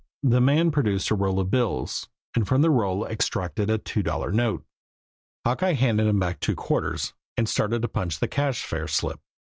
The man produced a roll of bills, and from the roll extracted a two dollar note. Hawkeye handed him back two quarters, and started to punch a cash fare slip.